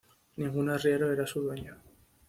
Ningún arriero era su dueño.